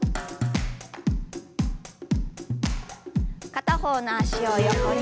片方の脚を横に。